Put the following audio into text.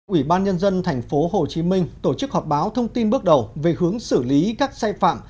ủy ban nhân dân tp hcm tổ chức họp báo thông tin bước đầu về hướng xử lý các sai phạm